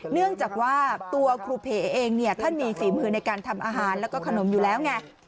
เนื่องจากว่าตัวครูเพเองเนี่ยท่านมีฝีมือในการทำอาหารแล้วก็ขนมอยู่แล้วไง